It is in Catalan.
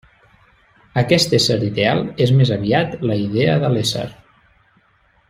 Aquest ésser ideal és més aviat la idea de l'ésser.